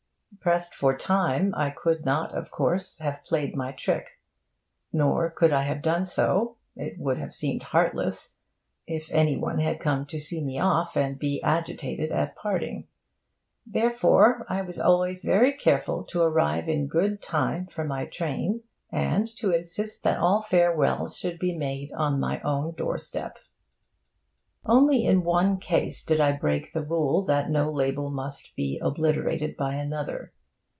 Pressed for time, I could not, of course, have played my trick. Nor could I have done so it would have seemed heartless if any one had come to see me off and be agitated at parting. Therefore, I was always very careful to arrive in good time for my train, and to insist that all farewells should be made on my own doorstep. Only in one case did I break the rule that no label must be obliterated by another.